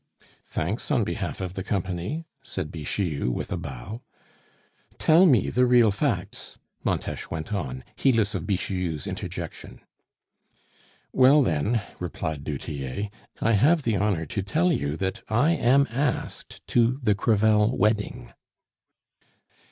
"Thanks on behalf of the company," said Bixiou with a bow. "Tell me the real facts," Montes went on, heedless of Bixiou's interjection. "Well, then," replied du Tillet, "I have the honor to tell you that I am asked to the Crevel wedding."